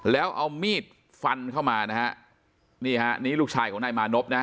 แล้วเอามีดฟันเข้ามานะฮะนี่ฮะนี่ลูกชายของนายมานพนะฮะ